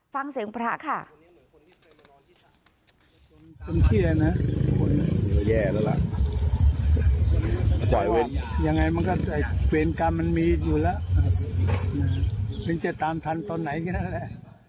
ฟังเสียงพระค่ะ